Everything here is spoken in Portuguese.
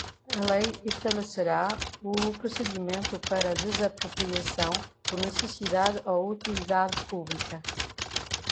a lei estabelecerá o procedimento para desapropriação por necessidade ou utilidade pública